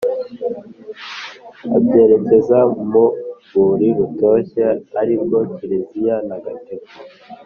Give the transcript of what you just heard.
abwerekeza mu rwuri rutoshye arirwo kiliziya ntagatifu.